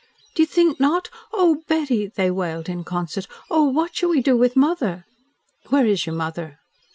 "Do you think not! Oh, Betty!" they wailed in concert. "Oh, what shall we do with mother!" "Where is your mother?"